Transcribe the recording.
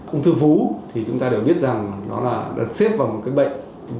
ung thư vú thì chúng ta đều biết rằng nó là được xếp vào một cái bệnh